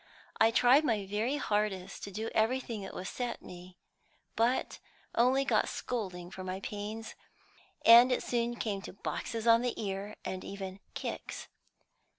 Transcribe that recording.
I tried my very hardest to do everything that was set me, but only got scolding for my pains; and it soon came to boxes on the ear, and even kicks.